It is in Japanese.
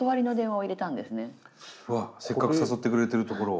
せっかく誘ってくれてるところを。